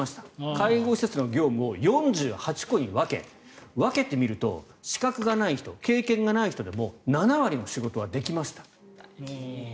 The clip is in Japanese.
介護施設の業務を４８個に分け分けてみると資格がない人、経験がない人でも７割の仕事ができました。